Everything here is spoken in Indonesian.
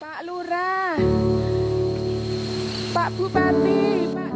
pak lura pak bupati pak cawad